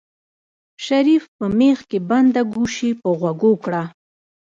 شريف په مېخ کې بنده ګوشي په غوږو کړه.